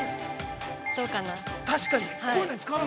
どうかな。